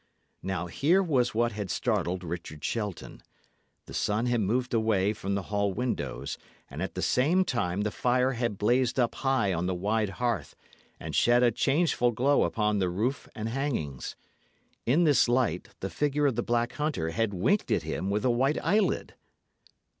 Now, here was what had startled Richard Shelton. The sun had moved away from the hall windows, and at the same time the fire had blazed up high on the wide hearth, and shed a changeful glow upon the roof and hangings. In this light the figure of the black hunter had winked at him with a white eyelid.